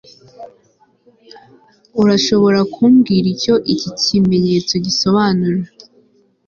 urashobora kumbwira icyo iki kimenyetso gisobanura